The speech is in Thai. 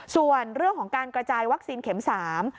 ส่วนเรื่องของการกระจายวัคซีนเข็มสาม